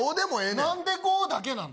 何で５だけなの？